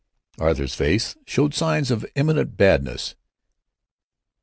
Arthur's face showed signs of imminent badness.